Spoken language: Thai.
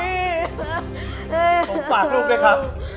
ผมฝากลูกด้วยครับ